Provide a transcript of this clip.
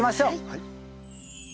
はい。